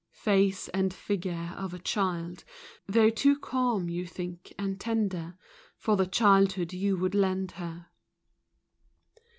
Face and figure of a child, — Though too calm, you think, and tender, For the childhood you would lend her.